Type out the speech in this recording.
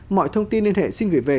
mọi thông tin liên hệ xin gửi về